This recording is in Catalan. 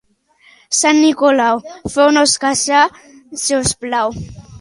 Sant Nicolau, feu-nos casar, si us plau.